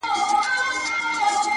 ځوان د تکي زرغونې وني نه لاندي’